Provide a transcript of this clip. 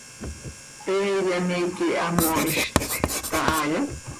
He yaniiqui hamoizct.